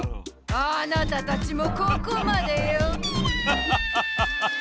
あなたたちもここまでよ。ペラ！